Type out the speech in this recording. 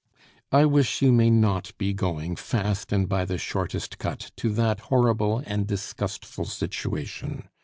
I wish you may not be going fast, and by the shortest cut, to that horrible and disgustful situation.